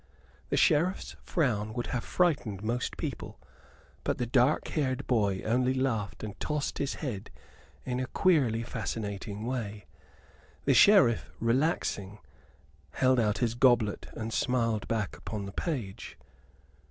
The Sheriff's frown would have frightened most people, but the dark haired boy only laughed and tossed his head in a queerly fascinating way. The Sheriff, relaxing, held out his goblet, and smiled back upon the page.